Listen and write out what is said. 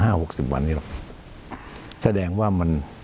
หน้าห้าหกสิบวันหรอกแสดงว่ามัน